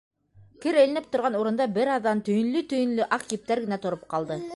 Кер эленеп торған урында бер аҙҙан төйөнлө-төйөнлө аҡ ептәр генә тороп ҡалды.